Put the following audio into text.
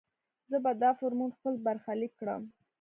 زه به دا فورمول خپل برخليک کړم.